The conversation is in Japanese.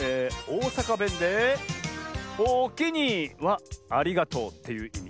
おおさかべんで「おおきに」は「ありがとう」っていういみ。